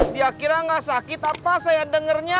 dia kira gak sakit apa saya dengernya